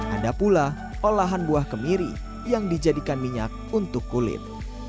ada pula olahan buah kemiri yang dijadikan minyak untuk kulit